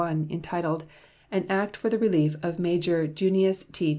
561, entitled "An act for the relief of Major Junius T.